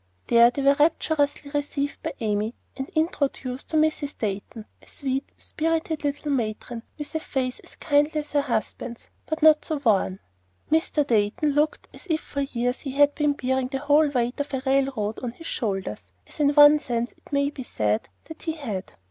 There they were rapturously received by Amy, and introduced to Mrs. Dayton, a sweet, spirited little matron, with a face as kindly as her husband's, but not so worn. Mr. Dayton looked as if for years he had been bearing the whole weight of a railroad on his shoulders, as in one sense it may be said that he had.